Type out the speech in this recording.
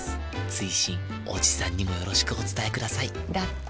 追伸おじさんにもよろしくお伝えくださいだって。